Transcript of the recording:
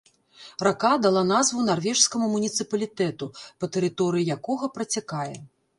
Рака дала назву нарвежскаму муніцыпалітэту, па тэрыторыі якога працякае.